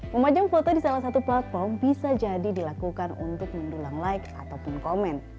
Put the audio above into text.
memajang foto di salah satu platform bisa jadi dilakukan untuk mendulang like ataupun komen